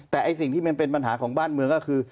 แต่ไอ้สิ่งที่มันเป็นปัญหาของบ้านเมืองก็คือ